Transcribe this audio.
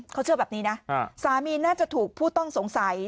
เขาเชื่อแบบนี้นะสามีน่าจะถูกผู้ต้องสงสัย